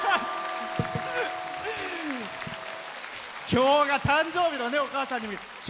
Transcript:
今日が誕生日のお母さんにね。